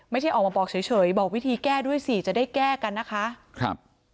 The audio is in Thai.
ไม่ใช่ออกมาบอกเฉยบอกวิธีแก้ด้วยสิจะได้แก้กันนะคะครับ